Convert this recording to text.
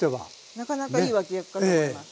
なかなかいい脇役かと思います。